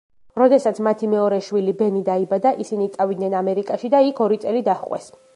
როდესაც მათი მეორე შვილი ბენი დაიბადა ისინი წავიდნენ ამერიკაში და იქ ორი წელი დაჰყვეს.